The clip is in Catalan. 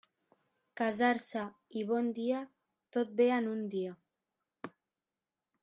Casar-se i bon dia, tot ve en un dia.